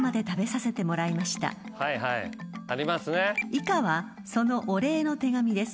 ［以下はそのお礼の手紙です］